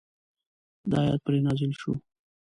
دا آیت پرې نازل شو.